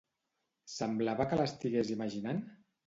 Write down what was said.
Semblava que l'estigués imaginant?